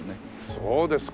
そうですか。